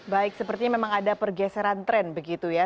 baik sepertinya memang ada pergeseran tren begitu ya